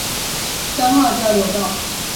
彰化交流道